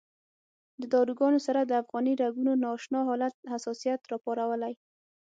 د داروګانو سره د افغاني رګونو نا اشنا حالت حساسیت راپارولی.